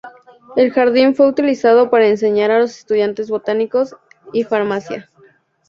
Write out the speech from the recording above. El jardín fue utilizado para enseñar a los estudiantes botánica y farmacia.